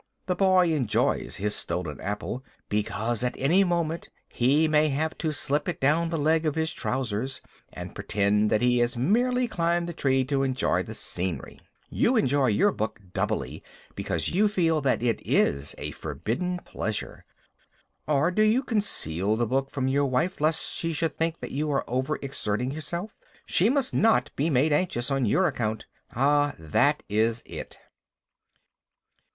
The boy enjoys his stolen apple, because at any moment he may have to slip it down the leg of his trousers, and pretend that he has merely climbed the tree to enjoy the scenery. You enjoy your book doubly because you feel that it is a forbidden pleasure. Or, do you conceal the book from your wife lest she should think that you are over exerting yourself? She must not be made anxious on your account. Ah, that is it.